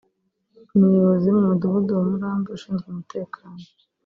umuyobozi mu mudugudu wa Murambi ushinzwe umutekano